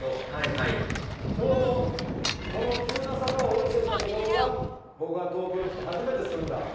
はいはいちょうどこの急な坂を下りてった所が僕が東京に来て初めて住んだ。